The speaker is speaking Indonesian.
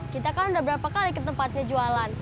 kita kan udah berapa kali ke tempatnya jualan